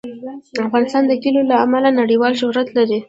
افغانستان د کلیو له امله نړیوال شهرت لري.